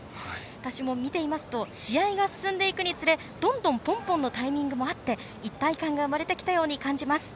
私も見ていますと試合が進んでいくにつれてどんどんポンポンのタイミングも合って一体感が生まれてきた感じがします。